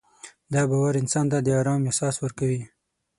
دا باور انسان ته ارام احساس ورکوي.